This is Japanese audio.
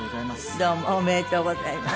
どうもおめでとうございます。